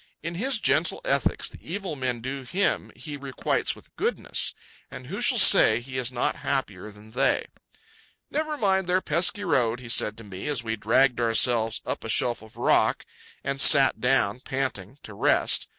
In his gentle ethics the evil men do him he requites with goodness. And who shall say he is not happier than they? "Never mind their pesky road," he said to me as we dragged ourselves up a shelf of rock and sat down, panting, to rest.